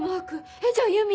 えっじゃあゆみ。